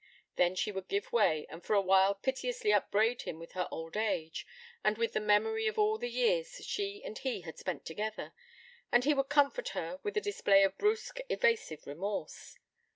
Then she would give way, and for a while piteously upbraid him with her old age, and with the memory of all the years she and he had spent together, and he would comfort her with a display of brusque, evasive remorse.